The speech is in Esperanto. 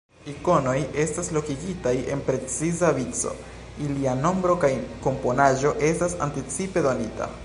Ikonoj estas lokigitaj en preciza vico, ilia nombro kaj komponaĵo estas anticipe donita.